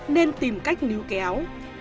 nên tìm cách níu kéo